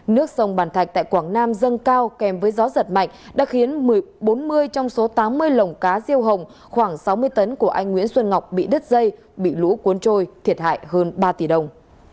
nước sông bàn thạch tại quảng nam dâng cao kèm với gió giật mạnh đã khiến bốn mươi trong số tám mươi lồng cá riêu hồng khoảng sáu mươi tấn của anh nguyễn xuân ngọc bị đứt dây bị lũ cuốn trôi thiệt hại hơn ba tỷ đồng